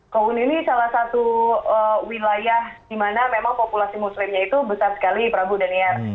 kowun ini salah satu wilayah di mana memang populasi muslimnya itu besar sekali prabu daniar